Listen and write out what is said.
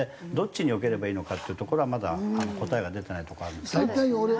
どっちによければいいのかっていうところはまだ答えが出ていないところあるんですけど。